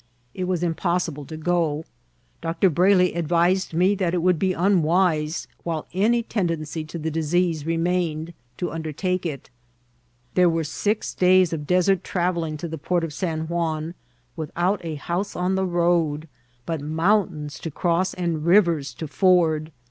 It was impossible to go ; Dr. Brayley advised me that it would be unwise, while any tendency to the disease remained, to undertake it. There were six days of desert travelling to the port of San Juan, without a house on the road, but mountains to cross and rivers to ford.